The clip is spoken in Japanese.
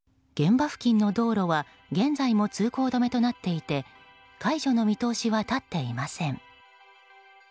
現場付近の道路は現在も通行止めとなっていて解除の見通しは立っていません。